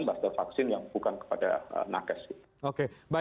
buster vaksin yang bukan kepada nakes